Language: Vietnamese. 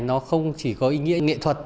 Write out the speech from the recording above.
nó không chỉ có ý nghĩa nghệ thuật